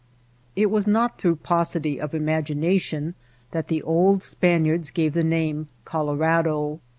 It was not through paucity of imagination that the old Spaniards gave the name — Col orado.